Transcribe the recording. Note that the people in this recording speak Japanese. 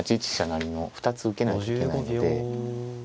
成の２つ受けないといけないので。